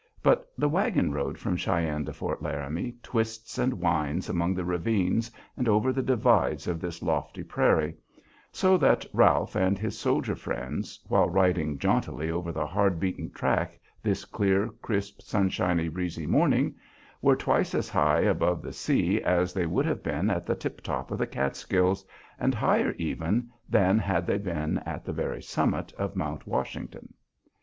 But the wagon road from Cheyenne to Fort Laramie twists and winds among the ravines and over the divides of this lofty prairie; so that Ralph and his soldier friends, while riding jauntily over the hard beaten track this clear, crisp, sunshiny, breezy morning, were twice as high above the sea as they would have been at the tiptop of the Catskills and higher even than had they been at the very summit of Mount Washington.